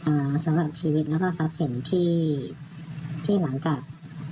อ่าสำหรับชีวิตแล้วก็ทรัพย์สินที่ที่หลังจาก